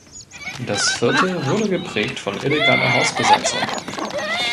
Das Viertel wurde geprägt von illegaler Hausbesetzung.